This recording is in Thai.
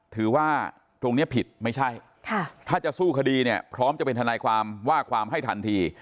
ถือว่าตรงนี้ผิดไม่ใช่ถ้าจะสู้คดีเนี่ยพร้อมจะเป็นทนายความว่าความให้ทันที